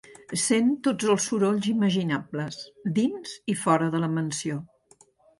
Sent tots els sorolls imaginables, dins i fora de la mansió.